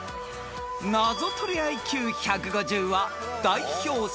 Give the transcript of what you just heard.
［ナゾトレＩＱ１５０は代表作